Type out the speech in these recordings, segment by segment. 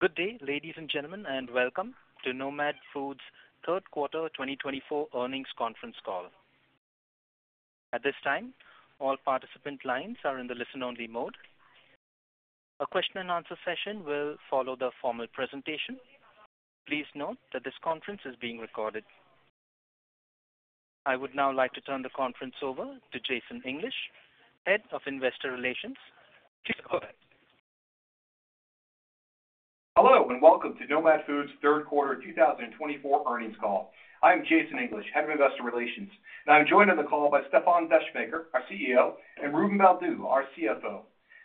Good day, ladies and gentlemen, and welcome to Nomad Foods' third quarter 2024 earnings conference call. At this time, all participant lines are in the listen-only mode. A question-and-answer session will follow the formal presentation. Please note that this conference is being recorded. I would now like to turn the conference over to Jason English, Head of Investor Relations. Hello and welcome to Nomad Foods' third quarter 2024 earnings call. I am Jason English, Head of Investor Relations, and I'm joined on the call by Stefan Descheemaeker, our CEO, and Ruben Baldew, our CFO.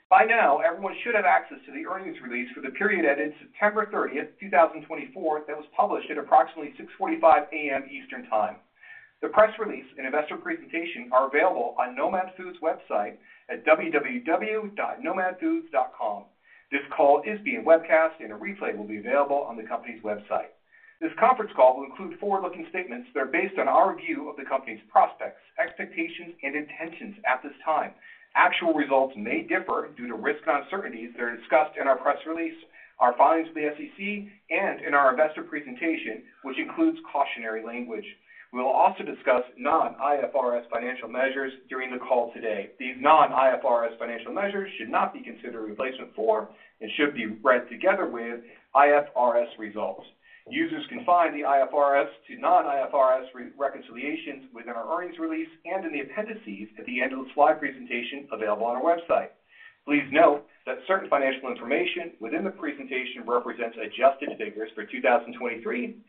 By now, everyone should have access to the earnings release for the period ending September 30, 2024, that was published at approximately 6:45 A.M. Eastern Time. The press release and investor presentation are available on Nomad Foods' website at www.nomadfoods.com. This call is being webcast, and a replay will be available on the company's website. This conference call will include forward-looking statements that are based on our view of the company's prospects, expectations, and intentions at this time. Actual results may differ due to risk and uncertainties that are discussed in our press release, our filings with the SEC, and in our investor presentation, which includes cautionary language. We will also discuss non-IFRS financial measures during the call today. These non-IFRS financial measures should not be considered a replacement for and should be read together with IFRS results. Users can find the IFRS to non-IFRS reconciliations within our earnings release and in the appendices at the end of the slide presentation available on our website. Please note that certain financial information within the presentation represents adjusted figures for 2023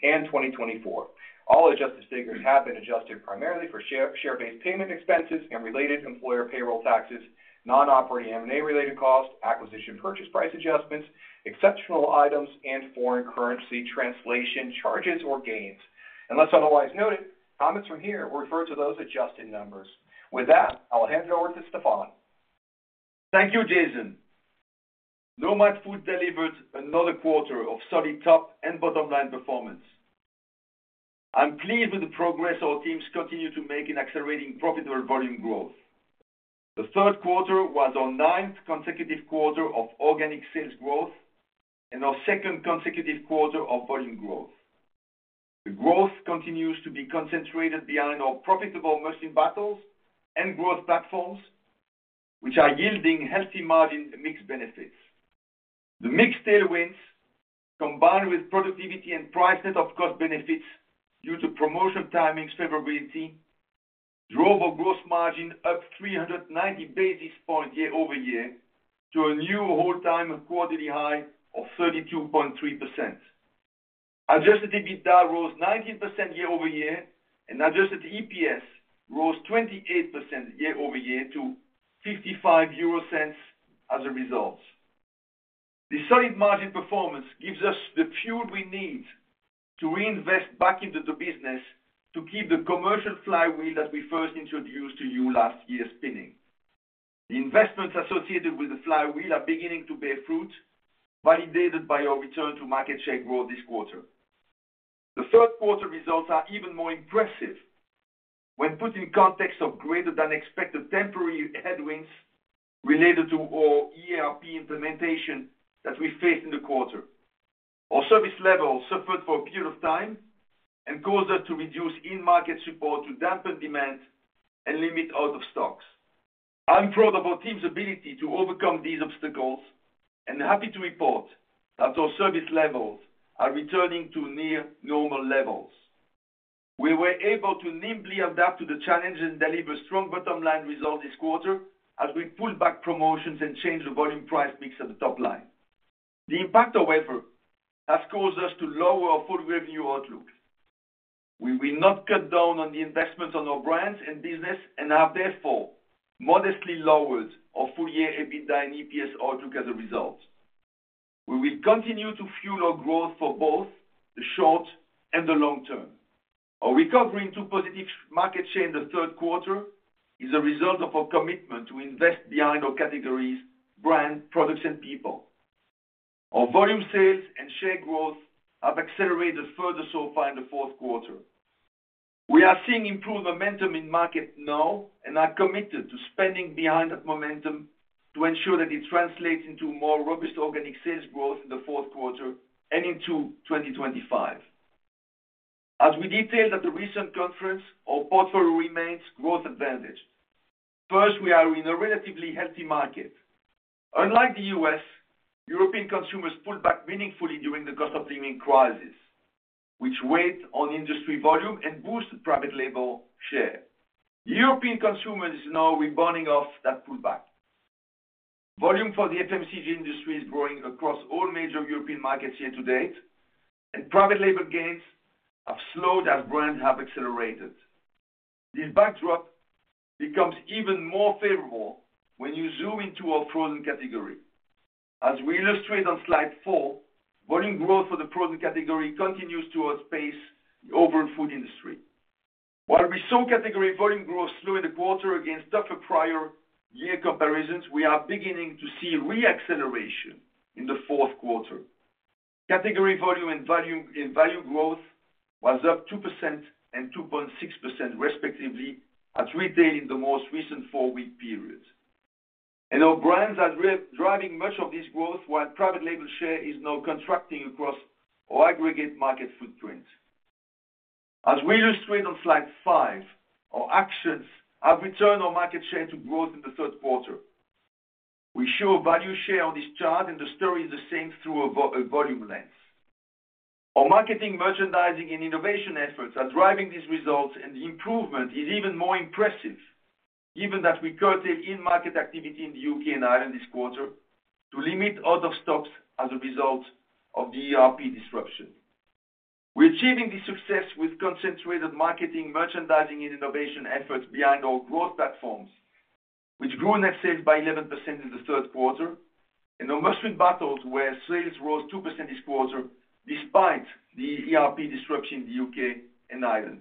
and 2024. All adjusted figures have been adjusted primarily for share-based payment expenses and related employer payroll taxes, non-operating M&A-related costs, acquisition purchase price adjustments, exceptional items, and foreign currency translation charges or gains. Unless otherwise noted, comments from here will refer to those adjusted numbers. With that, I'll hand it over to Stefan. Thank you, Jason. Nomad Foods delivered another quarter of solid top and bottom-line performance. I'm pleased with the progress our teams continue to make in accelerating profitable volume growth. The third quarter was our ninth consecutive quarter of organic sales growth and our second consecutive quarter of volume growth. The growth continues to be concentrated behind our profitable Must-Win Battles and growth platforms, which are yielding healthy margin mix benefits. The mix tailwinds, combined with productivity and price-net-of-cost benefits due to promotion timing's favorability, drove our gross margin up 390 basis points year-over-year to a new all-time quarterly high of 32.3%. Adjusted EBITDA rose 19% year-over-year, and Adjusted EPS rose 28% year-over-year to 0.55 as a result. The solid margin performance gives us the fuel we need to reinvest back into the business to keep the commercial flywheel that we first introduced to you last year spinning. The investments associated with the flywheel are beginning to bear fruit, validated by our return to market share growth this quarter. The third quarter results are even more impressive when put in context of greater-than-expected temporary headwinds related to our ERP implementation that we faced in the quarter. Our service levels suffered for a period of time and caused us to reduce in-market support to dampen demand and limit out-of-stocks. I'm proud of our team's ability to overcome these obstacles and happy to report that our service levels are returning to near-normal levels. We were able to nimbly adapt to the challenges and deliver strong bottom-line results this quarter as we pulled back promotions and changed the volume-price mix at the top line. The impact, however, has caused us to lower our full revenue outlook. We will not cut down on the investments on our brands and business and have, therefore, modestly lowered our full-year EBITDA and EPS outlook as a result. We will continue to fuel our growth for both the short and the long term. Our recovery into positive market share in the third quarter is a result of our commitment to invest behind our categories: brand, products, and people. Our volume sales and share growth have accelerated further so far in the fourth quarter. We are seeing improved momentum in markets now and are committed to spending behind that momentum to ensure that it translates into more robust organic sales growth in the fourth quarter and into 2025. As we detailed at the recent conference, our portfolio remains growth-advantaged. First, we are in a relatively healthy market. Unlike the U.S., European consumers pulled back meaningfully during the cost-of-living crisis, which weighed on industry volume and boosted private label share. European consumers are now rebounding off that pullback. Volume for the FMCG industry is growing across all major European markets year-to-date, and private label gains have slowed as brands have accelerated. This backdrop becomes even more favorable when you zoom into our frozen category. As we illustrate on slide four, volume growth for the frozen category continues to outpace the overall food industry. While we saw category volume growth slow in the quarter against tougher prior year comparisons, we are beginning to see re-acceleration in the fourth quarter. Category volume and value growth was up 2% and 2.6%, respectively, as per retail in the most recent four-week period. And our brands are driving much of this growth, while private label share is now contracting across our aggregate market footprint. As we illustrate on slide five, our actions have returned our market share to growth in the third quarter. We show value share on this chart, and the story is the same through volume length. Our marketing, merchandising, and innovation efforts are driving these results, and the improvement is even more impressive, given that we curtailed in-market activity in the U.K. and Ireland this quarter to limit out-of-stocks as a result of the ERP disruption. We're achieving this success with concentrated marketing, merchandising, and innovation efforts behind our growth platforms, which grew net sales by 11% in the third quarter, and our Must-Win Battles where sales rose 2% this quarter despite the ERP disruption in the U.K. and Ireland.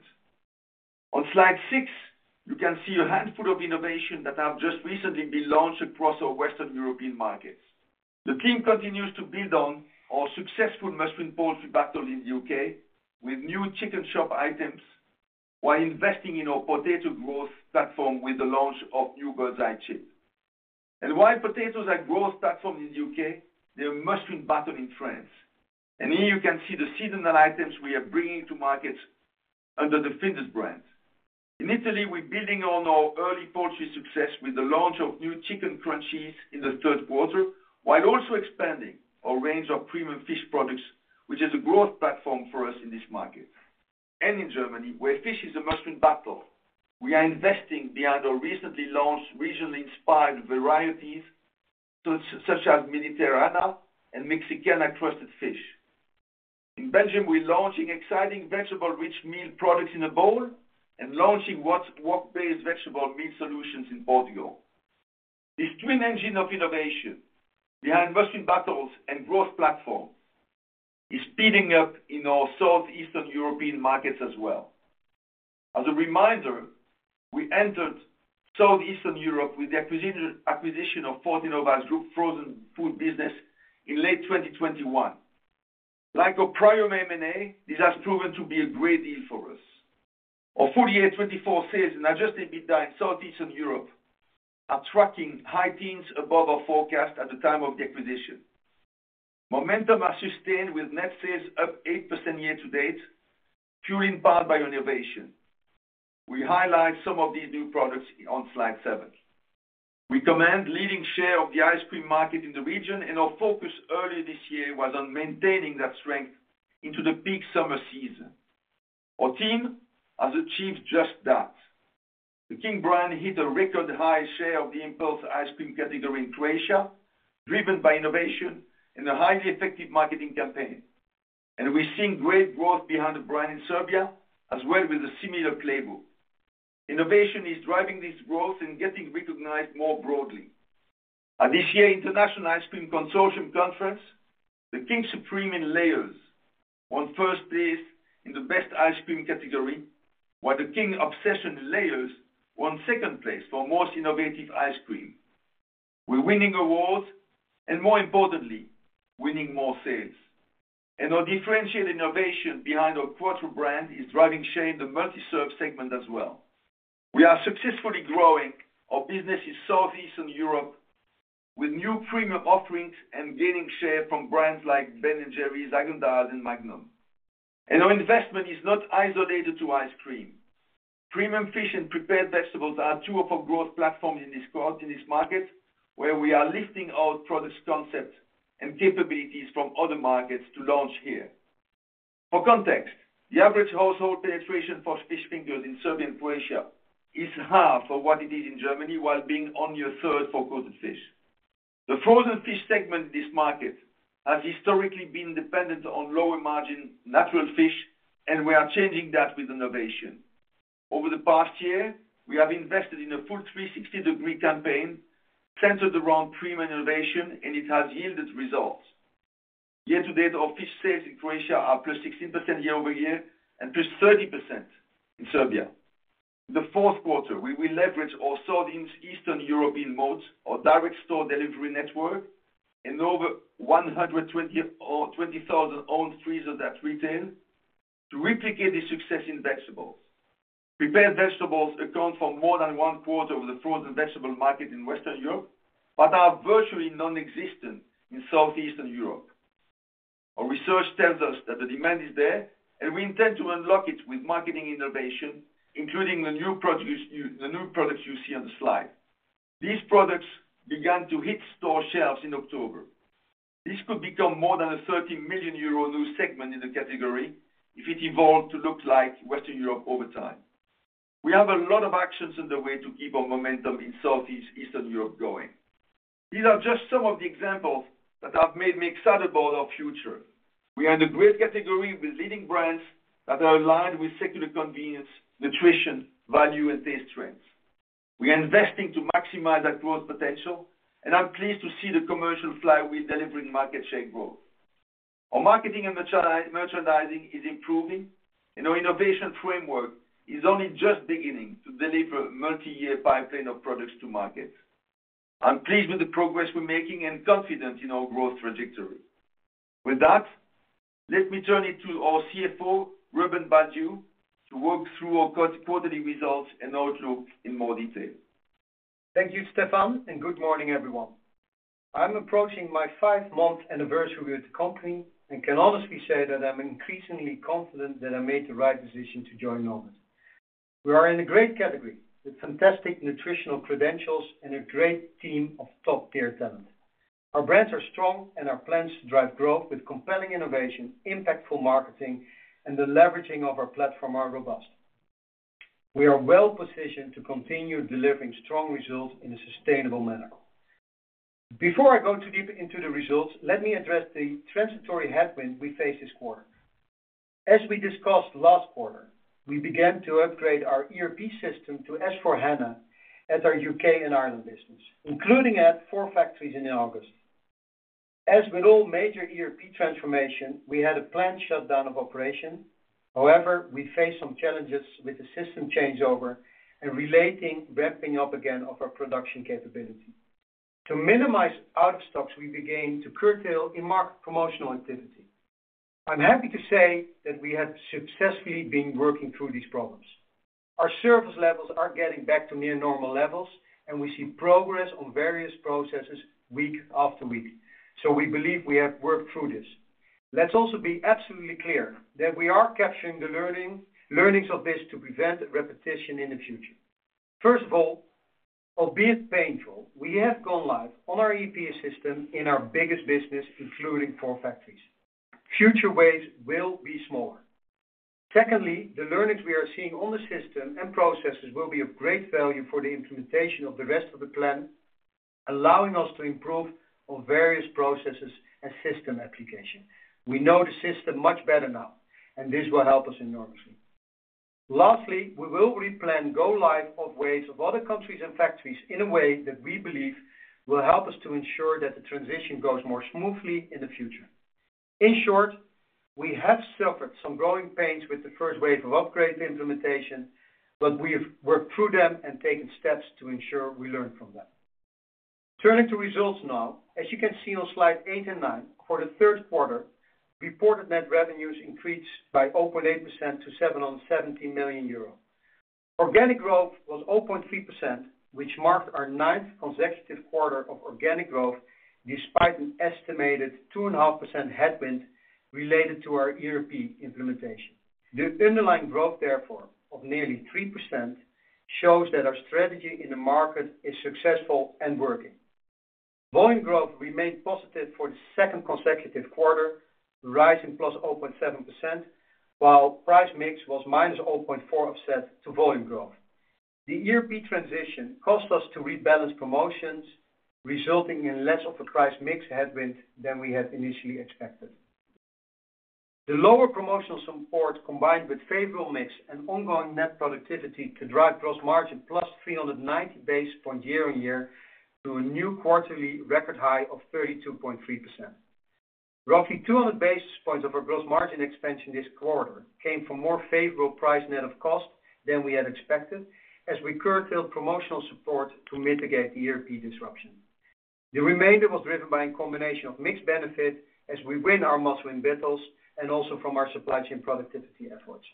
On slide six, you can see a handful of innovations that have just recently been launched across our Western European markets. The team continues to build on our successful must-win poultry battles in the U.K. with new Chicken Shop items while investing in our potato growth platform with the launch of new Birds Eye chips, and while potatoes are growth platforms in the U.K., they are Must-Win Battles in France, and here you can see the seasonal items we are bringing to markets under the Findus brand. In Italy, we're building on our early poultry success with the launch of new Chicken Crunchies in the third quarter, while also expanding our range of premium fish products, which is a growth platform for us in this market. In Germany, where fish is a must-win battle, we are investing behind our recently launched regionally inspired varieties such as Mediterrana and Mexicana crusted fish. In Belgium, we're launching exciting vegetable-rich meal products in a bowl and launching wok-based vegetable meal solutions in Portugal. This twin engine of innovation behind Must-Win Battles and growth platforms is speeding up in our Southeastern European markets as well. As a reminder, we entered Southeastern Europe with the acquisition of Fortenova Group Frozen Food business in late 2021. Like our prior M&A, this has proven to be a great deal for us. Our full-year 2024 sales and Adjusted EBITDA in Southeastern Europe are tracking high teens above our forecast at the time of the acquisition. Momentum has sustained with net sales up 8% year-to-date, fueled, powered by innovation. We highlight some of these new products on slide seven. We command leading share of the ice cream market in the region, and our focus earlier this year was on maintaining that strength into the peak summer season. Our team has achieved just that. The King brand hit a record high share of the impulse ice cream category in Croatia, driven by innovation and a highly effective marketing campaign. And we're seeing great growth behind the brand in Serbia as well with a similar playbook. Innovation is driving this growth and getting recognized more broadly. At this year's International Ice Cream Consortium Conference, the King Supreme in layers won first place in the best ice cream category, while the King Obsession in layers won second place for most innovative ice cream. We're winning awards and, more importantly, winning more sales. And our differentiated innovation behind our Quattro brand is driving share in the multi-serve segment as well. We are successfully growing our business in Southeastern Europe with new premium offerings and gaining share from brands like Ben & Jerry's, Häagen-Dazs, and Magnum, and our investment is not isolated to ice cream. Premium fish and prepared vegetables are two of our growth platforms in this market, where we are lifting our product concepts and capabilities from other markets to launch here. For context, the average household penetration for fish fingers in Serbia and Croatia is half of what it is in Germany, while being only a third for coated fish. The frozen fish segment in this market has historically been dependent on lower margin natural fish, and we are changing that with innovation. Over the past year, we have invested in a full 360-degree campaign centered around premium innovation, and it has yielded results. Year-to-date, our fish sales in Croatia are +16% year-over-year and +30% in Serbia. In the fourth quarter, we will leverage our Southeastern European moats, our direct store delivery network, and over 120,000 owned freezers at retail to replicate the success in vegetables. Prepared vegetables account for more than one quarter of the frozen vegetable market in Western Europe, but are virtually nonexistent in Southeastern Europe. Our research tells us that the demand is there, and we intend to unlock it with marketing innovation, including the new products you see on the slide. These products began to hit store shelves in October. This could become more than a 30 million euro new segment in the category if it evolved to look like Western Europe over time. We have a lot of actions underway to keep our momentum in Southeastern Europe going. These are just some of the examples that have made me excited about our future. We are in a great category with leading brands that are aligned with secular convenience, nutrition, value, and taste trends. We are investing to maximize our growth potential, and I'm pleased to see the commercial flywheel delivering market share growth. Our marketing and merchandising is improving, and our innovation framework is only just beginning to deliver a multi-year pipeline of products to markets. I'm pleased with the progress we're making and confident in our growth trajectory. With that, let me turn it to our CFO, Ruben Baldew, to work through our quarterly results and outlook in more detail. Thank you, Stefan, and good morning, everyone. I'm approaching my five-month anniversary with the company and can honestly say that I'm increasingly confident that I made the right decision to join Nomad. We are in a great category with fantastic nutritional credentials and a great team of top-tier talent. Our brands are strong, and our plans to drive growth with compelling innovation, impactful marketing, and the leveraging of our platform are robust. We are well-positioned to continue delivering strong results in a sustainable manner. Before I go too deep into the results, let me address the transitory headwind we face this quarter. As we discussed last quarter, we began to upgrade our ERP system to S/4HANA at our U.K. and Ireland business, including at four factories in August. As with all major ERP transformations, we had a planned shutdown of operations. However, we faced some challenges with the system changeover and the related ramping up again of our production capability. To minimize out-of-stocks, we began to curtail in-market promotional activity. I'm happy to say that we have successfully been working through these problems. Our service levels are getting back to near-normal levels, and we see progress on various processes week after week. So we believe we have worked through this. Let's also be absolutely clear that we are capturing the learnings of this to prevent repetition in the future. First of all, albeit painful, we have gone live on our ERP system in our biggest business, including four factories. Future waves will be smaller. Secondly, the learnings we are seeing on the system and processes will be of great value for the implementation of the rest of the plan, allowing us to improve on various processes and system applications. We know the system much better now, and this will help us enormously. Lastly, we will replan go live of waves of other countries and factories in a way that we believe will help us to ensure that the transition goes more smoothly in the future. In short, we have suffered some growing pains with the first wave of upgrade implementation, but we've worked through them and taken steps to ensure we learn from them. Turning to results now, as you can see on slide eight and nine, for the third quarter, reported net revenues increased by 0.8% to 717 million euro. Organic growth was 0.3%, which marked our ninth consecutive quarter of organic growth despite an estimated 2.5% headwind related to our ERP implementation. The underlying growth, therefore, of nearly 3% shows that our strategy in the market is successful and working. Volume growth remained positive for the second consecutive quarter, rising +0.7%, while price mix was -0.4% offset to volume growth. The ERP transition caused us to rebalance promotions, resulting in less of a price mix headwind than we had initially expected. The lower promotional support, combined with favorable mix and ongoing net productivity to drive gross margin +390 basis points year-on-year to a new quarterly record high of 32.3%. Roughly 200 basis points of our gross margin expansion this quarter came from more favorable price net of cost than we had expected as we curtailed promotional support to mitigate the ERP disruption. The remainder was driven by a combination of mix benefit as we win our Must-Win Battles and also from our supply chain productivity efforts.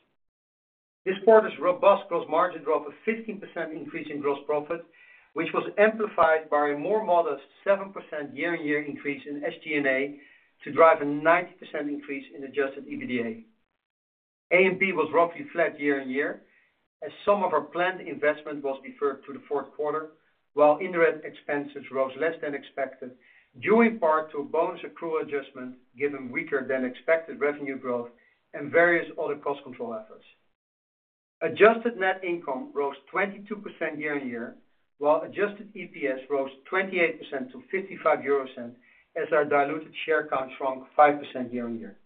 This quarter's robust gross margin drove a 15% increase in gross profit, which was amplified by a more modest 7% year-on-year increase in SG&A to drive a 90% increase in Adjusted EBITDA. A&P was roughly flat year-on-year as some of our planned investment was deferred to the fourth quarter, while indirect expenses rose less than expected due in part to a bonus accrual adjustment given weaker-than-expected revenue growth and various other cost control efforts. Adjusted net income rose 22% year-on-year, while Adjusted EPS rose 28% to 55 as our diluted share count shrunk 5% year-on-year.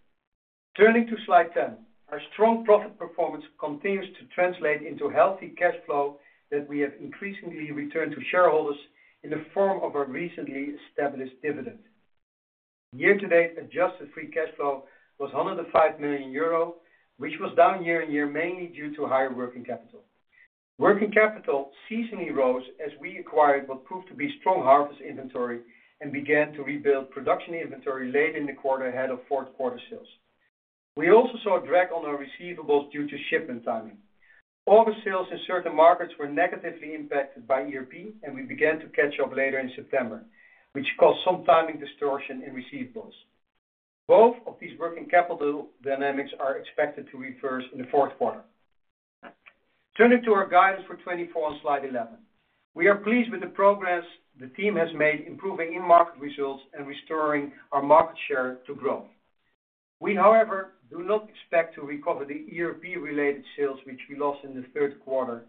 Turning to slide 10, our strong profit performance continues to translate into healthy cash flow that we have increasingly returned to shareholders in the form of our recently established dividend. Year-to-date adjusted free cash flow was 105 million euro, which was down year-on-year mainly due to higher working capital. Working capital seasonally rose as we acquired what proved to be strong harvest inventory and began to rebuild production inventory late in the quarter ahead of fourth quarter sales. We also saw a drag on our receivables due to shipment timing. August sales in certain markets were negatively impacted by ERP, and we began to catch up later in September, which caused some timing distortion in receivables. Both of these working capital dynamics are expected to reverse in the fourth quarter. Turning to our guidance for 2024 on slide 11, we are pleased with the progress the team has made improving in-market results and restoring our market share to growth. We, however, do not expect to recover the ERP-related sales which we lost in the third quarter,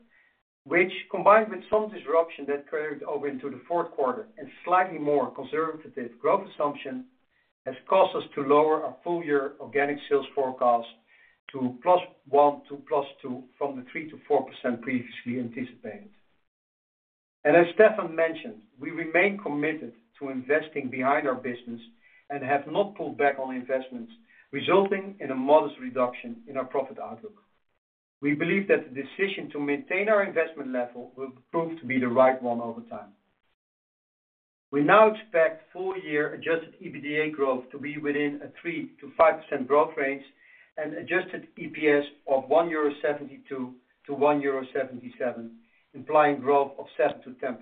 which, combined with some disruption that carried over into the fourth quarter and slightly more conservative growth assumption, has caused us to lower our full-year organic sales forecast to +1% to +2% from the 3%-4% previously anticipated, and as Stefan mentioned, we remain committed to investing behind our business and have not pulled back on investments, resulting in a modest reduction in our profit outlook. We believe that the decision to maintain our investment level will prove to be the right one over time. We now expect full-year Adjusted EBITDA growth to be within a 3%-5% growth range and Adjusted EPS of 1.72-1.77 euro, implying growth of 7%-10%.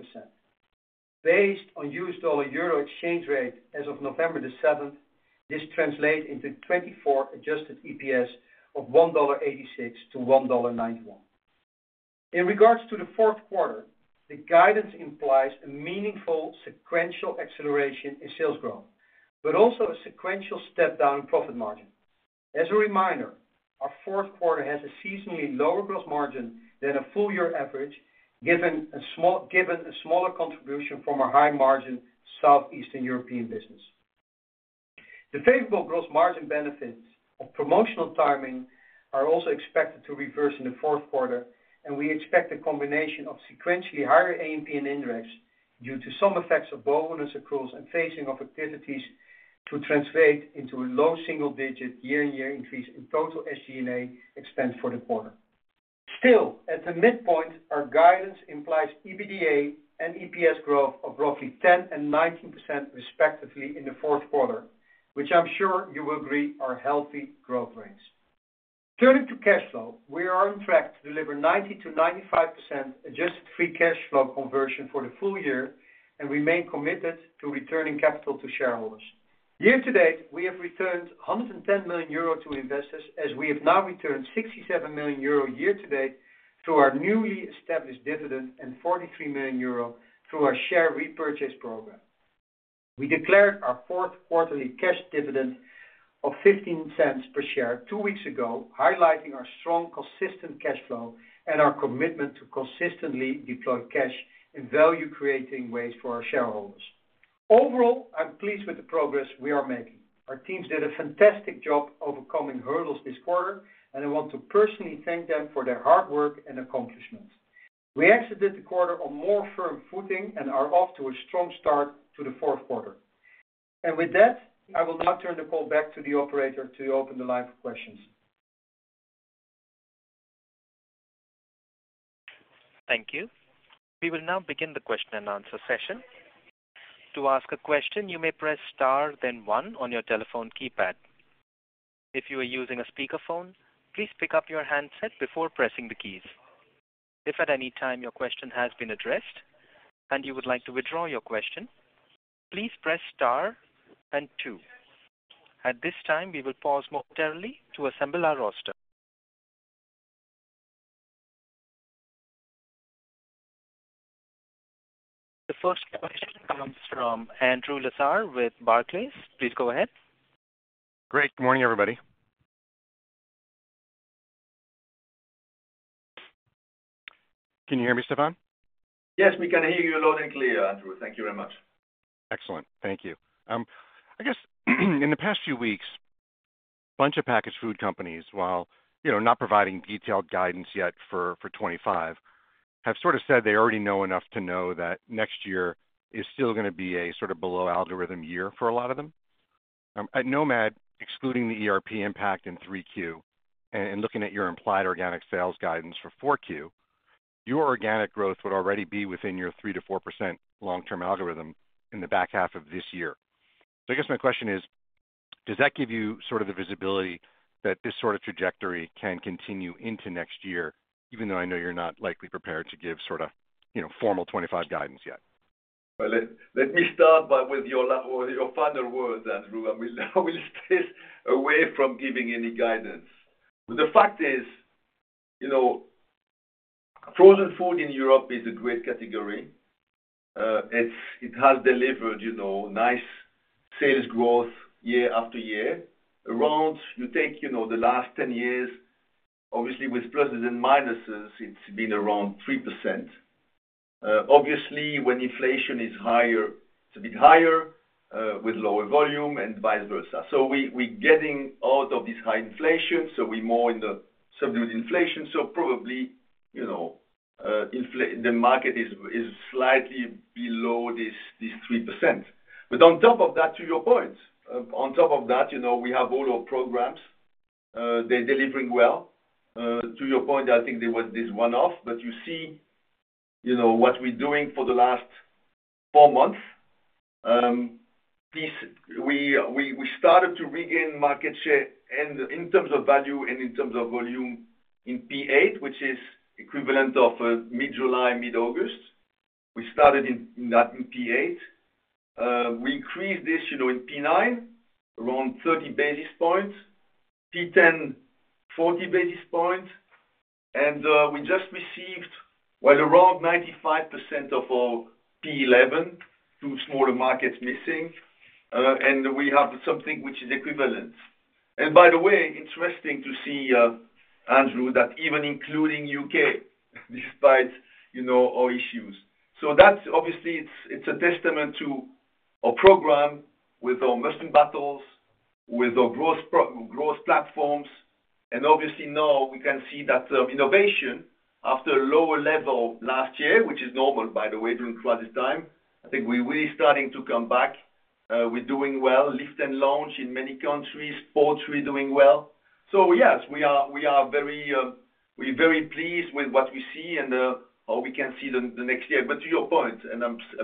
Based on U.S. dollar/euro exchange rate as of November the 7th, this translates into 2024 Adjusted EPS of $1.86-$1.91. In regards to the fourth quarter, the guidance implies a meaningful sequential acceleration in sales growth, but also a sequential step-down in profit margin. As a reminder, our fourth quarter has a seasonally lower gross margin than a full-year average, given a smaller contribution from our high-margin Southeastern European business. The favorable gross margin benefits of promotional timing are also expected to reverse in the fourth quarter, and we expect a combination of sequentially higher A&P and indirects due to some effects of bonus accruals and phasing of activities to translate into a low single-digit year-on-year increase in total SG&A expense for the quarter. Still, at the midpoint, our guidance implies EBITDA and EPS growth of roughly 10% and 19% respectively in the fourth quarter, which I'm sure you will agree are healthy growth rates. Turning to cash flow, we are on track to deliver 90%-95% adjusted free cash flow conversion for the full year and remain committed to returning capital to shareholders. Year-to-date, we have returned 110 million euro to investors as we have now returned 67 million euro year-to-date through our newly established dividend and 43 million euro through our share repurchase program. We declared our fourth quarterly cash dividend of $0.15 per share two weeks ago, highlighting our strong, consistent cash flow and our commitment to consistently deploy cash in value-creating ways for our shareholders. Overall, I'm pleased with the progress we are making. Our teams did a fantastic job overcoming hurdles this quarter, and I want to personally thank them for their hard work and accomplishments. We exited the quarter on more firm footing and are off to a strong start to the fourth quarter. And with that, I will now turn the call back to the operator to open the line for questions. Thank you. We will now begin the question and answer session. To ask a question, you may press star, then one on your telephone keypad. If you are using a speakerphone, please pick up your handset before pressing the keys. If at any time your question has been addressed and you would like to withdraw your question, please press star and two. At this time, we will pause momentarily to assemble our roster. The first question comes from Andrew Lazar with Barclays. Please go ahead. Great. Good morning, everybody. Can you hear me, Stefan? Yes, we can hear you loud and clear, Andrew. Thank you very much. Excellent. Thank you. I guess in the past few weeks, a bunch of packaged food companies, while not providing detailed guidance yet for 2025, have sort of said they already know enough to know that next year is still going to be a sort of below-algorithm year for a lot of them. At Nomad, excluding the ERP impact in 3Q and looking at your implied organic sales guidance for 4Q, your organic growth would already be within your 3%-4% long-term algorithm in the back half of this year. So I guess my question is, does that give you sort of the visibility that this sort of trajectory can continue into next year, even though I know you're not likely prepared to give sort of formal 2025 guidance yet? Let me start with your final word, Andrew, and we'll stay away from giving any guidance. The fact is, frozen food in Europe is a great category. It has delivered nice sales growth year after year. If you take the last 10 years, obviously, with pluses and minuses, it's been around 3%. Obviously, when inflation is higher, it's a bit higher with lower volume and vice versa. So we're getting out of this high inflation, so we're more in the subdued inflation. So probably the market is slightly below this 3%. But on top of that, to your point, on top of that, we have all our programs. They're delivering well. To your point, I think there was this one-off, but you see what we're doing for the last four months. We started to regain market share in terms of value and in terms of volume in P8, which is equivalent of mid-July, mid-August. We started in that in P8. We increased this in P9, around 30 basis points, P10, 40 basis points. We just received, well, around 95% of our P11 through smaller markets missing. We have something which is equivalent. By the way, interesting to see, Andrew, that even including U.K. despite our issues. That's obviously a testament to our program with our Must-Win Battles, with our growth platforms. Obviously now we can see that innovation after a lower level last year, which is normal, by the way, during quarter time. I think we're really starting to come back. We're doing well, lift and launch in many countries, Portugal we're doing well. So yes, we are very pleased with what we see and how we can see the next year. But to your point, and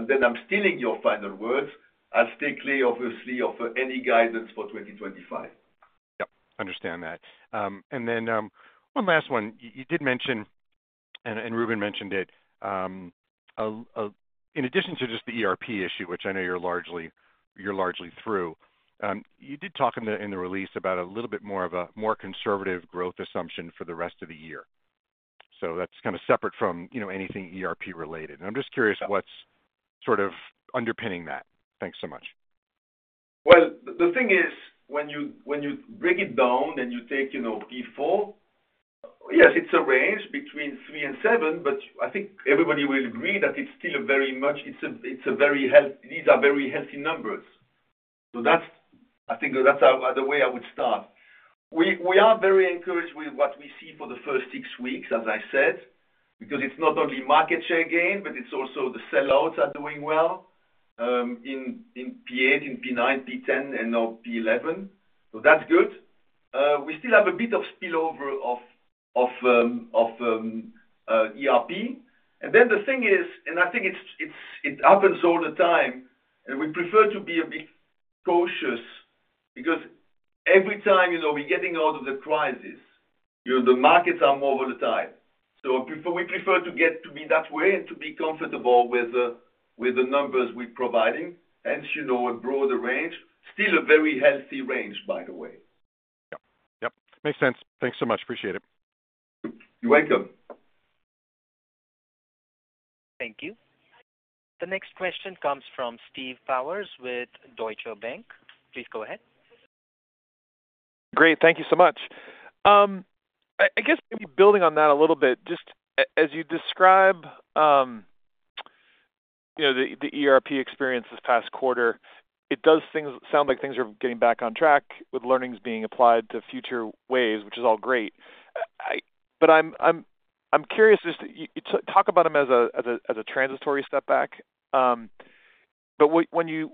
then I'm stealing your final words, I'll stay clear, obviously, of any guidance for 2025. Yep. Understand that. And then one last one. You did mention, and Ruben mentioned it, in addition to just the ERP issue, which I know you're largely through. You did talk in the release about a little bit more of a more conservative growth assumption for the rest of the year. So that's kind of separate from anything ERP-related. And I'm just curious what's sort of underpinning that. Thanks so much. Well, the thing is, when you break it down and you take Q4, yes, it's a range between 3 and 7, but I think everybody will agree that it's still very much a very healthy. These are very healthy numbers. So I think that's the way I would start. We are very encouraged with what we see for the first six weeks, as I said, because it's not only market share gain, but it's also the sellouts are doing well in P8, in P9, P10, and now P11. So that's good. We still have a bit of spillover of ERP. And then the thing is, and I think it happens all the time, and we prefer to be a bit cautious because every time we're getting out of the crisis, the markets are more volatile. So we prefer to get to be that way and to be comfortable with the numbers we're providing, hence a broader range, still a very healthy range, by the way. Yep. Yep. Makes sense. Thanks so much. Appreciate it. You're welcome. Thank you. The next question comes from Steve Powers with Deutsche Bank. Please go ahead. Great. Thank you so much. I guess maybe building on that a little bit, just as you describe the ERP experience this past quarter, it does sound like things are getting back on track with learnings being applied to future ways, which is all great. But I'm curious, just talk about them as a transitory step back. But when you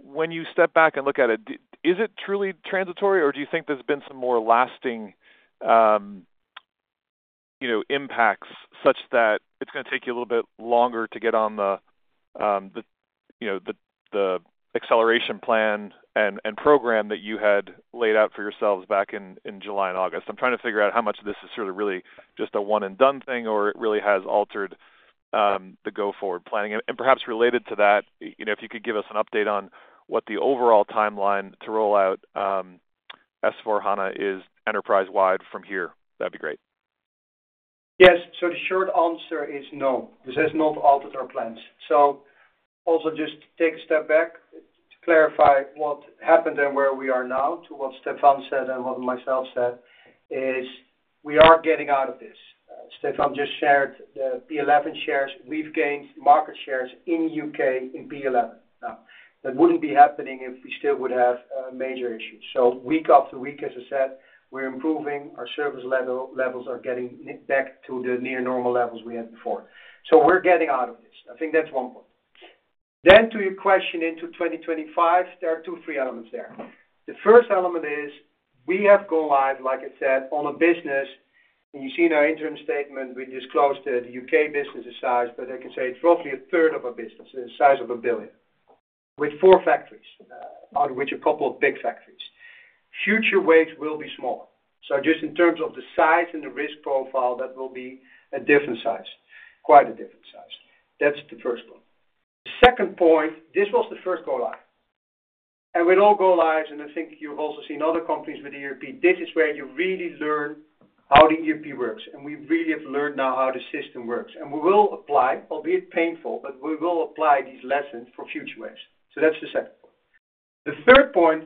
step back and look at it, is it truly transitory, or do you think there's been some more lasting impacts such that it's going to take you a little bit longer to get on the acceleration plan and program that you had laid out for yourselves back in July and August? I'm trying to figure out how much of this is sort of really just a one-and-done thing or it really has altered the go-forward planning. Perhaps related to that, if you could give us an update on what the overall timeline to roll out S/4HANA is enterprise-wide from here, that'd be great. Yes. The short answer is no. This has not altered our plans. Also just to take a step back to clarify what happened and where we are now to what Stefan said and what myself said is we are getting out of this. Stefan just shared the P11 shares. We've gained market shares in U.K. in P11. Now, that wouldn't be happening if we still would have major issues. Week after week, as I said, we're improving. Our service levels are getting back to the near-normal levels we had before. We're getting out of this. I think that's one point. To your question into 2025, there are two, three elements there. The first element is we have gone live, like I said, on a business, and you see in our interim statement, we disclosed the U.K. business size, but I can say it's roughly a third of our business, the size of 1 billion, with four factories, out of which a couple of big factories. Future waves will be smaller. So just in terms of the size and the risk profile, that will be a different size, quite a different size. That's the first point. The second point, this was the first go-live, and we're all go-lives, and I think you've also seen other companies with ERP. This is where you really learn how the ERP works. And we really have learned now how the system works. And we will apply, albeit painful, but we will apply these lessons for future waves. So that's the second point. The third point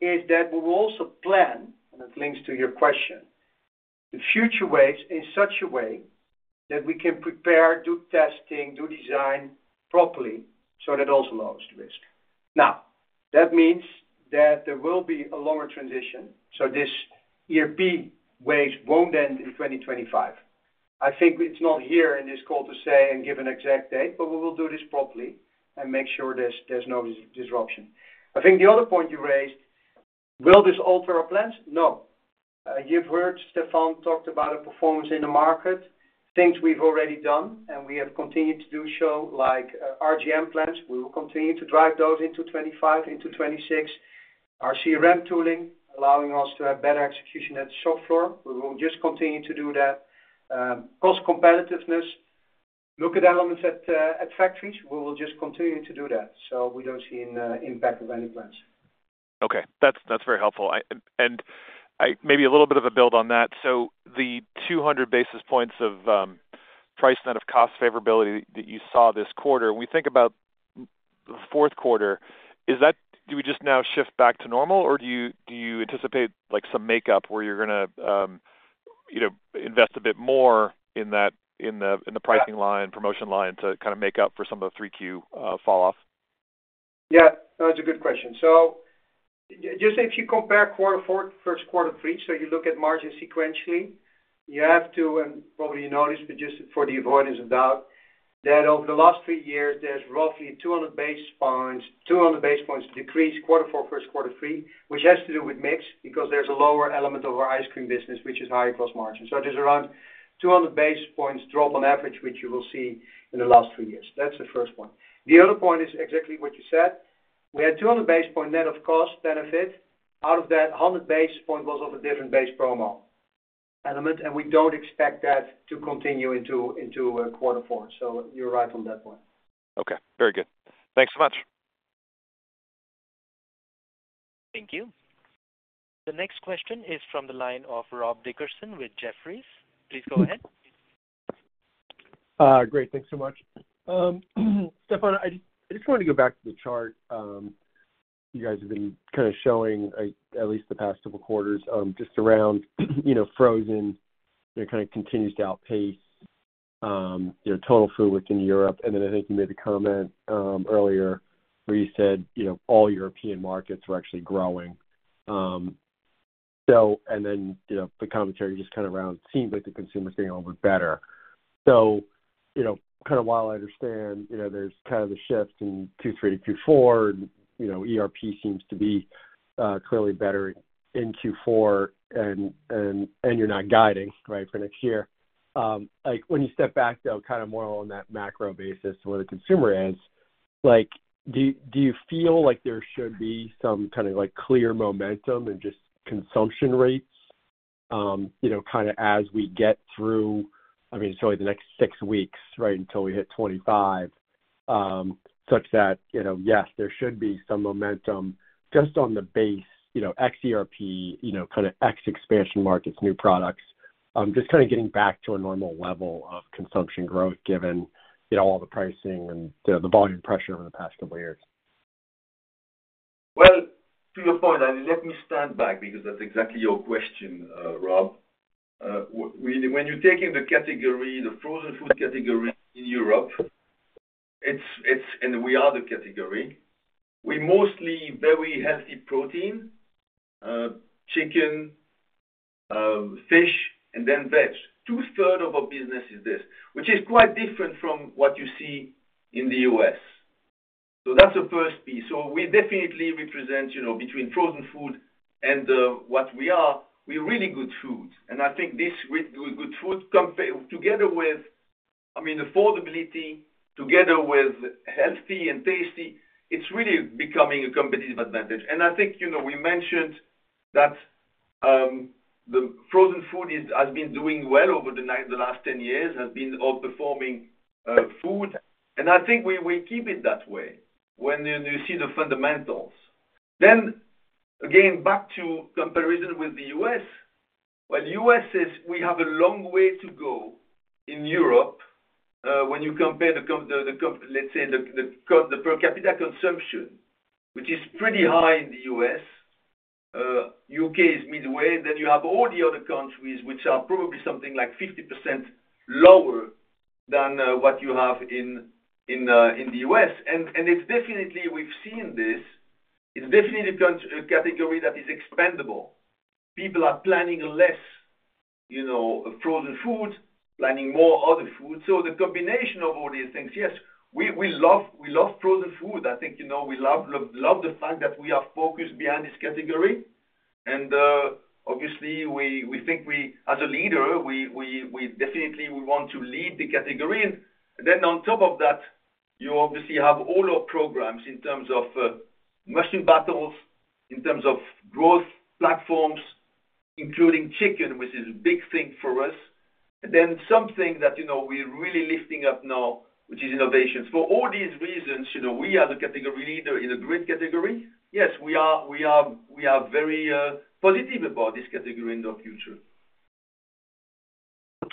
is that we will also plan, and it links to your question, the future waves in such a way that we can prepare, do testing, do design properly so that also lowers the risk. Now, that means that there will be a longer transition. So this ERP wave won't end in 2025. I think it's not here in this call to say and give an exact date, but we will do this properly and make sure there's no disruption. I think the other point you raised, will this alter our plans? No. You've heard Stefan talked about our performance in the market, things we've already done, and we have continued to do so like RGM plans. We will continue to drive those into 2025, into 2026. Our CRM tooling allowing us to have better execution at the shop floor. We will just continue to do that. Cost competitiveness, look at elements at factories. We will just continue to do that, so we don't see an impact of any plans. Okay. That's very helpful, and maybe a little bit of a build on that, so the 200 basis points of price net of cost favorability that you saw this quarter, when we think about the fourth quarter, do we just now shift back to normal, or do you anticipate some makeup where you're going to invest a bit more in that in the pricing line, promotion line to kind of make up for some of the 3Q falloff? Yeah. That's a good question. So just if you compare quarter four, first quarter three, so you look at margin sequentially, you have to, and probably you noticed, but just for the avoidance of doubt, that over the last three years, there's roughly 200 basis points decrease quarter four, first quarter three, which has to do with mix because there's a lower element of our ice cream business, which is higher gross margin. So there's around 200 basis points drop on average, which you will see in the last three years. That's the first point. The other point is exactly what you said. We had 200 basis point net of cost benefit. Out of that, 100 basis point was of a different base promo element, and we don't expect that to continue into quarter four. So you're right on that point. Okay. Very good. Thanks so much. Thank you. The next question is from the line of Rob Dickerson with Jefferies. Please go ahead. Great. Thanks so much. Stefan, I just wanted to go back to the chart. You guys have been kind of showing, at least the past couple of quarters, just around frozen kind of continues to outpace total food within Europe. And then I think you made the comment earlier where you said all European markets were actually growing. And then the commentary just kind of rounds it seems like the consumer's getting a little bit better. So kind of while I understand there's kind of a shift in Q3 to Q4, ERP seems to be clearly better in Q4, and you're not guiding, right, for next year. When you step back, though, kind of more on that macro basis where the consumer is, do you feel like there should be some kind of clear momentum in just consumption rates kind of as we get through, I mean, it's only the next six weeks, right, until we hit 25, such that, yes, there should be some momentum just on the base ex ERP, kind of ex expansion markets, new products, just kind of getting back to a normal level of consumption growth given all the pricing and the volume pressure over the past couple of years? Well, to your point, let me stand back because that's exactly your question, Rob. When you're taking the category, the frozen food category in Europe, and we are the category, we mostly very healthy protein, chicken, fish, and then veg. Two-thirds of our business is this, which is quite different from what you see in the U.S. So that's the first piece. So we definitely represent between frozen food and what we are, we're really good food. And I think this good food together with, I mean, affordability together with healthy and tasty, it's really becoming a competitive advantage. And I think we mentioned that the frozen food has been doing well over the last 10 years, has been outperforming food. And I think we will keep it that way when you see the fundamentals. Then again, back to comparison with the U.S., well, the U.S. says, "We have a long way to go in Europe." When you compare the, let's say, the per capita consumption, which is pretty high in the U.S., U.K. is midway. Then you have all the other countries, which are probably something like 50% lower than what you have in the U.S. And we've seen this. It's definitely a category that is expendable. People are planning less frozen food, planning more other food. So the combination of all these things, yes, we love frozen food. I think we love the fact that we are focused behind this category. And obviously, we think as a leader, we definitely want to lead the category. And then on top of that, you obviously have all our programs in terms of Must-Win Battles, in terms of growth platforms, including chicken, which is a big thing for us. And then something that we're really lifting up now, which is innovations. For all these reasons, we are the category leader in a great category. Yes, we are very positive about this category in the future.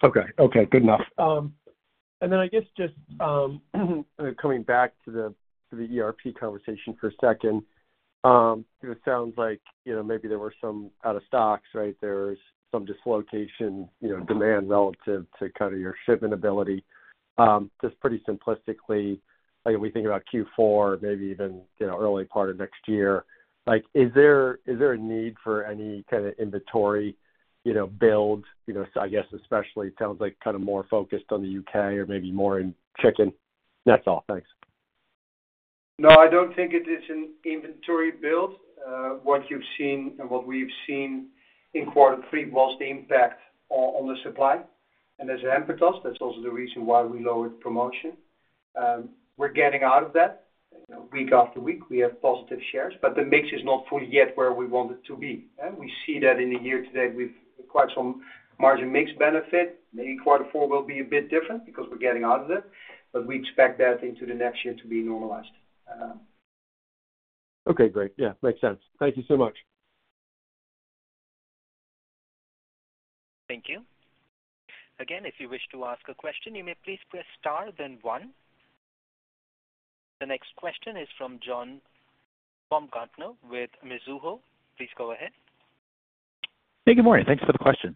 Okay. Okay. Good enough, and then I guess just coming back to the ERP conversation for a second. It sounds like maybe there were some out of stocks, right? There's some dislocation demand relative to kind of your shipment ability. Just pretty simplistically, we think about Q4, maybe even early part of next year. Is there a need for any kind of inventory build? I guess especially it sounds like kind of more focused on the U.K. or maybe more in chicken. That's all. Thanks. No, I don't think it is an inventory build. What you've seen and what we've seen in quarter three was the impact on the supply. And it does, that's also the reason why we lowered promotion. We're getting out of that. Week after week, we have positive shares, but the mix is not fully yet where we want it to be. And we see that in the year to date with quite some margin mix benefit. Maybe quarter four will be a bit different because we're getting out of it. But we expect that into the next year to be normalized. Okay. Great. Yeah. Makes sense. Thank you so much. Thank you. Again, if you wish to ask a question, you may please press star, then one. The next question is from John Baumgartner with Mizuho. Please go ahead. Hey, good morning. Thanks for the question.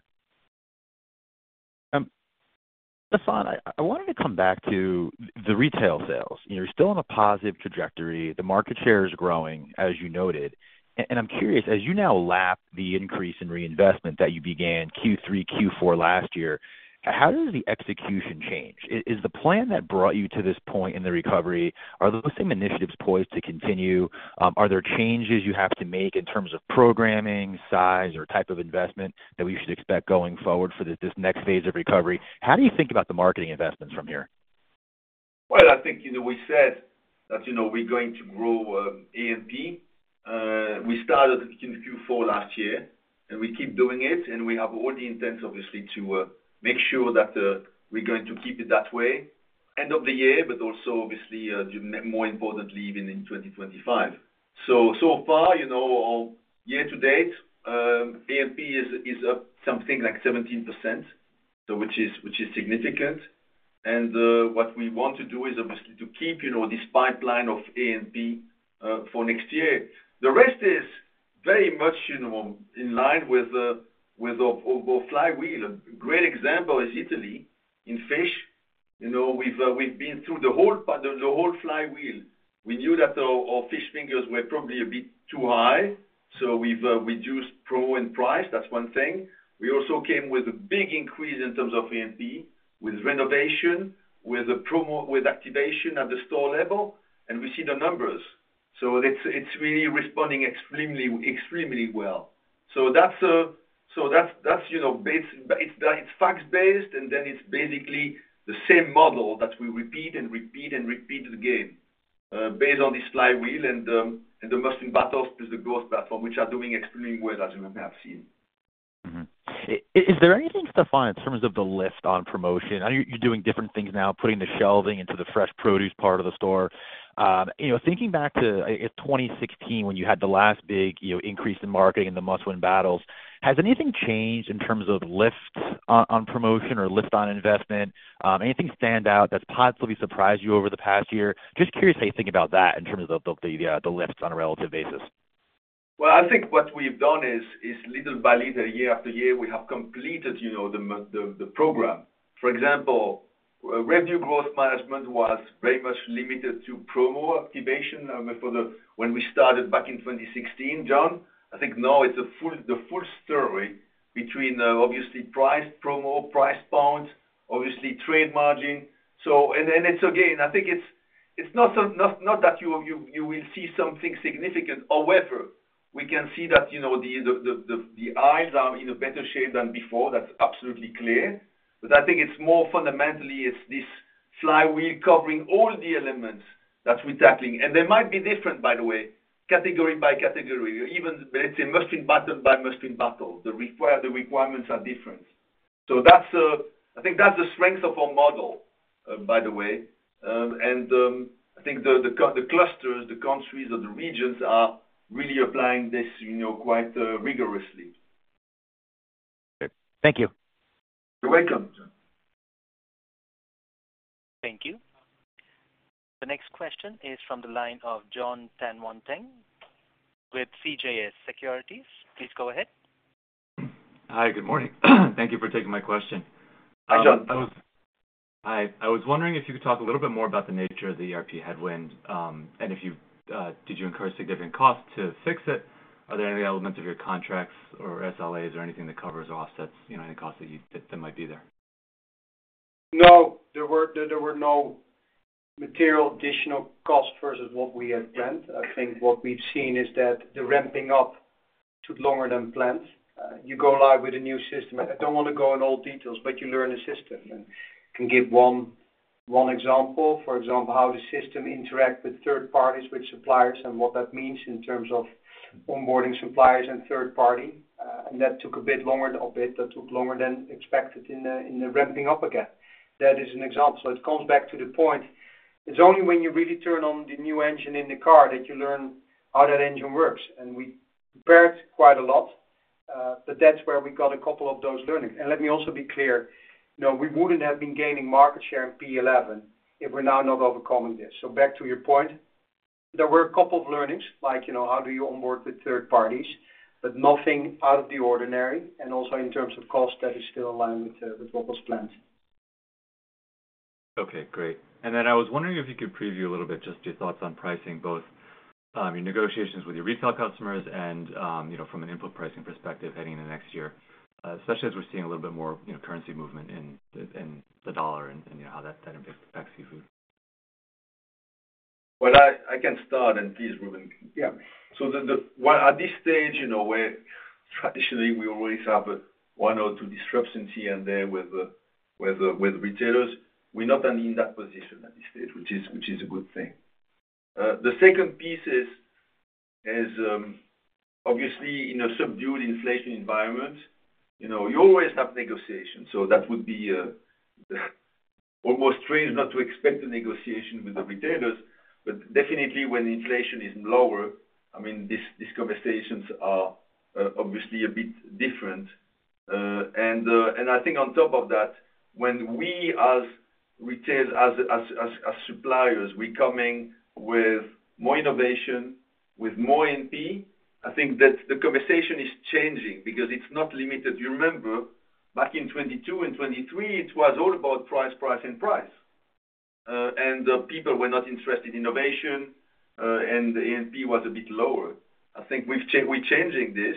Stefan, I wanted to come back to the retail sales. You're still on a positive trajectory. The market share is growing, as you noted. And I'm curious, as you now lap the increase in reinvestment that you began Q3, Q4 last year, how does the execution change? Is the plan that brought you to this point in the recovery, are those same initiatives poised to continue? Are there changes you have to make in terms of programming, size, or type of investment that we should expect going forward for this next phase of recovery? How do you think about the marketing investments from here? Well, I think we said that we're going to grow A&P. We started in Q4 last year, and we keep doing it. And we have all the intents, obviously, to make sure that we're going to keep it that way end of the year, but also, obviously, more importantly, even in 2025. So far, year to date, A&P is up something like 17%, which is significant. And what we want to do is, obviously, to keep this pipeline of A&P for next year. The rest is very much in line with our flywheel. A great example is Italy, in fish. We've been through the whole flywheel. We knew that our fish fingers were probably a bit too high, so we've reduced promo and price. That's one thing. We also came with a big increase in terms of A&P with renovation, with activation at the store level, and we see the numbers. So it's really responding extremely well. So that's basically it's facts-based, and then it's basically the same model that we repeat and repeat and repeat again based on this flywheel and the Must-Win Battles plus the growth platform, which are doing extremely well as you have seen. Is there anything, Stefan, in terms of the lift on promotion? You're doing different things now, putting the shelving into the fresh produce part of the store. Thinking back to, I guess, 2016 when you had the last big increase in marketing and the Must-Win Battles, has anything changed in terms of lift on promotion or lift on investment? Anything stand out that's possibly surprised you over the past year? Just curious how you think about that in terms of the lifts on a relative basis. Well, I think what we've done is little by little, year after year, we have completed the program. For example, revenue growth management was very much limited to promo activation when we started back in 2016, John. I think now it's the full story between, obviously, price, promo, price points, obviously, trade margin. And again, I think it's not that you will see something significant. However, we can see that the aisles are in a better shape than before. That's absolutely clear. But I think it's more fundamentally, it's this flywheel covering all the elements that we're tackling. And they might be different, by the way, category by category, even, let's say, must-win battle by must-win battle. The requirements are different. So I think that's the strength of our model, by the way. And I think the clusters, the countries, or the regions are really applying this quite rigorously. Thank you. You're welcome, John. Thank you. The next question is from the line of Jon Tanwanteng with CJS Securities. Please go ahead. Hi. Good morning. Thank you for taking my question. I was wondering if you could talk a little bit more about the nature of the ERP headwind and if you did incur significant costs to fix it? Are there any elements of your contracts or SLAs or anything that covers offsets, any costs that might be there? No. There were no material additional costs versus what we had planned. I think what we've seen is that the ramping up took longer than planned. You go live with a new system. I don't want to go in all details, but you learn a system, and I can give one example, for example, how the system interacts with third parties, with suppliers, and what that means in terms of onboarding suppliers and third party, and that took a bit longer than expected in the ramping up again. That is an example, so it comes back to the point. It's only when you really turn on the new engine in the car that you learn how that engine works. We prepared quite a lot, but that's where we got a couple of those learnings. Let me also be clear. We wouldn't have been gaining market share in P11 if we're now not overcoming this. Back to your point, there were a couple of learnings, like how do you onboard with third parties, but nothing out of the ordinary. Also in terms of cost, that is still in line with what was planned. Okay. Great. Then I was wondering if you could preview a little bit just your thoughts on pricing, both your negotiations with your retail customers and from an input pricing perspective heading into next year, especially as we're seeing a little bit more currency movement in the dollar and how that impacts your food. Well, I can start, and please, Ruben. Yeah. So at this stage, where traditionally we always have one or two disruptions here and there with retailers, we're not in that position at this stage, which is a good thing. The second piece is, obviously, in a subdued inflation environment, you always have negotiations. So that would be almost strange not to expect a negotiation with the retailers. But definitely, when inflation is lower, I mean, these conversations are obviously a bit different. And I think on top of that, when we as retailers, as suppliers, we're coming with more innovation, with more A&P, I think that the conversation is changing because it's not limited. You remember back in 2022 and 2023, it was all about price, price, and price. And people were not interested in innovation, and the A&P was a bit lower. I think we're changing this,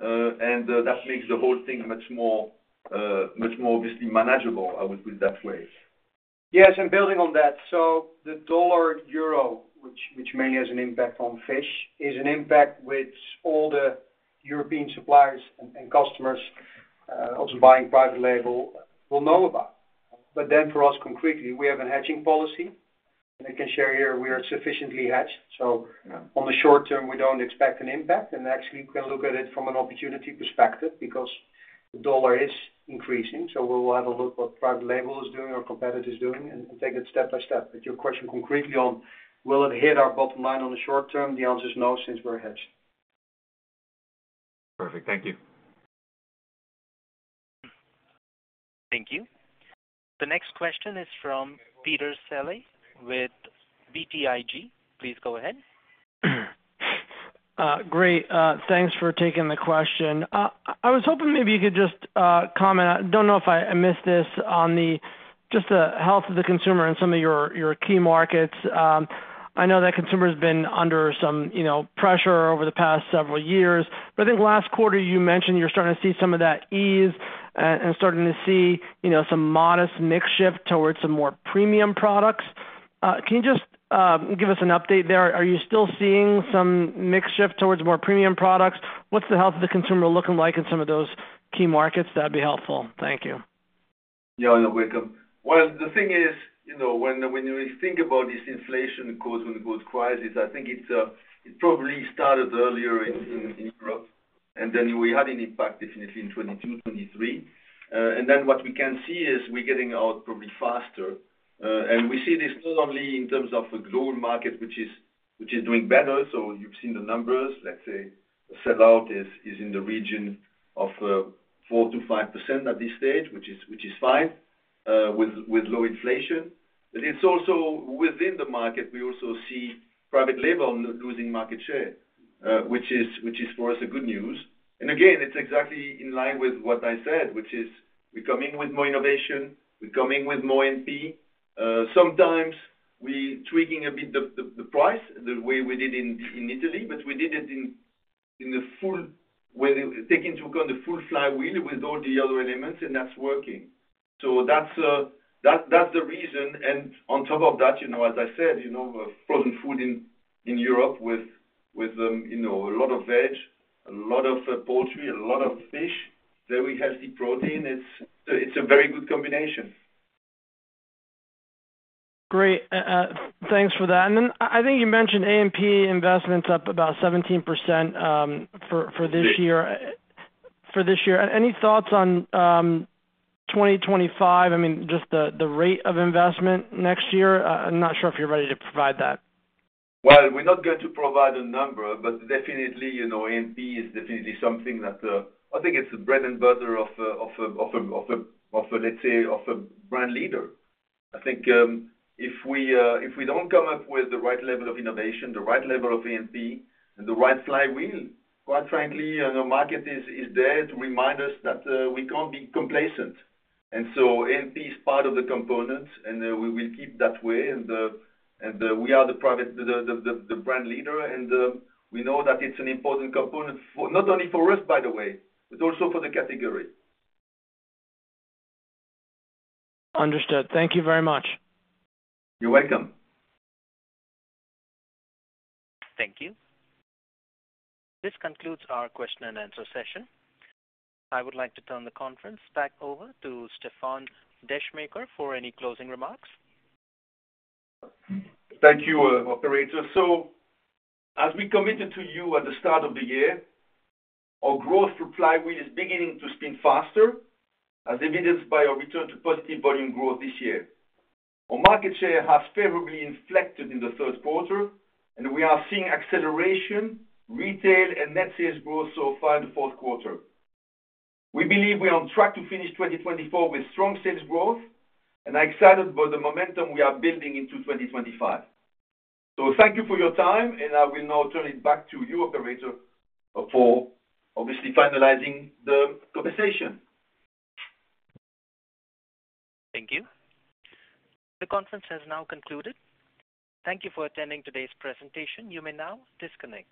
and that makes the whole thing much more obviously manageable. I would put it that way. Yes, and building on that, so the dollar-euro, which mainly has an impact on fish, is an impact which all the European suppliers and customers also buying private label will know about, but then for us, concretely, we have a hedging policy, and I can share here, we are sufficiently hedged. So on the short-term, we don't expect an impact, and actually, we can look at it from an opportunity perspective because the dollar is increasing. So we'll have a look at what private label is doing or competitors are doing and take it step by step, but your question concretely on, will it hit our bottom line on the short-term? The answer is no since we're hedged. Perfect. Thank you. Thank you. The next question is from Peter Saleh with BTIG. Please go ahead. Great. Thanks for taking the question. I was hoping maybe you could just comment. I don't know if I missed this on just the health of the consumer in some of your key markets. I know that consumer has been under some pressure over the past several years. But I think last quarter, you mentioned you're starting to see some of that ease and starting to see some modest mix shift towards some more premium products. Can you just give us an update there? Are you still seeing some mix shift towards more premium products? What's the health of the consumer looking like in some of those key markets? That'd be helpful. Thank you. Yeah. You're welcome. The thing is, when you think about this inflation caused by the energy crisis, I think it probably started earlier in Europe, and then we had an impact definitely in 2022, 2023. And then what we can see is we're getting out probably faster. And we see this not only in terms of a global market, which is doing better, so you've seen the numbers. Let's say sellout is in the region of 4%-5% at this stage, which is fine with low inflation, but it's also within the market, we also see private label losing market share, which is for us a good news, and again, it's exactly in line with what I said, which is we're coming with more innovation. We're coming with more A&P. Sometimes we're tweaking a bit the price the way we did in Italy, but we did it taking into account the full flywheel with all the other elements, and that's working. So that's the reason, and on top of that, as I said, frozen food in Europe with a lot of veg, a lot of poultry, a lot of fish, very healthy protein. It's a very good combination. Great. Thanks for that, and then I think you mentioned A&P investments up about 17% for this year. For this year. Any thoughts on 2025? I mean, just the rate of investment next year? I'm not sure if you're ready to provide that. We're not going to provide a number, but definitely, A&P is definitely something that I think it's the bread and butter of, let's say, of a brand leader. I think if we don't come up with the right level of innovation, the right level of A&P, and the right flywheel, quite frankly, the market is there to remind us that we can't be complacent. And so A&P is part of the components, and we will keep that way. And we are the brand leader, and we know that it's an important component not only for us, by the way, but also for the category. Understood. Thank you very much. You're welcome. Thank you. This concludes our question and answer session. I would like to turn the conference back over to Stefan Descheemaeker for any closing remarks. Thank you, Operator. So as we committed to you at the start of the year, our growth flywheel is beginning to spin faster, as evidenced by our return to positive volume growth this year. Our market share has favorably inflected in the third quarter, and we are seeing acceleration, retail, and net sales growth so far in the fourth quarter. We believe we are on track to finish 2024 with strong sales growth, and I'm excited by the momentum we are building into 2025. So thank you for your time, and I will now turn it back to you, Operator, for obviously finalizing the conversation. Thank you. The conference has now concluded. Thank you for attending today's presentation. You may now disconnect.